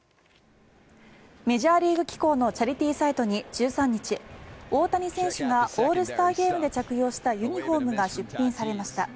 メジャーリーグ機構のチャリティーサイトに１３日大谷選手がオールスターゲームで着用したユニホームが出品されました。